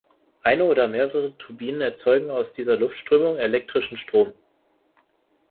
Eine oder mehrere Turbinen erzeugen aus dieser Luftströmung elektrischen Strom.